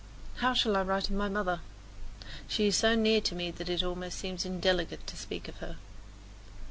How shall I write of my mother? She is so near to me that it almost seems indelicate to speak of her.